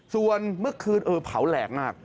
ส่วนเมื่อคืนเออเผาแหลกมาก